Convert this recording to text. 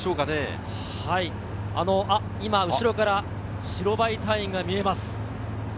今、後ろから白バイ隊員が見えます。